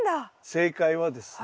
正解はですね